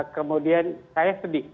kemudian saya sedih